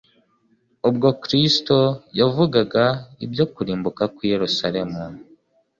Ubwo Kristo yavugaga ibyo kurimbuka kw'i Yerusalemu,